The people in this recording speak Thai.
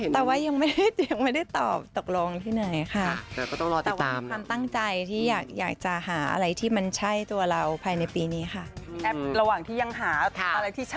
แต่ว่ายังไม่ได้ตอบตกลงที่ไหนค่ะแต่ว่าคือความตั้งใจที่อยากจะหาอะไรที่มันใช่ตัวเราภายในปีนี้ค่ะแต่ว่ายังไม่ได้ตอบตกลงที่ไหนค่ะแต่ว่าคือความตั้งใจที่อยากจะหาอะไรที่มันใช่ตัวเราภายในปีนี้ค่ะ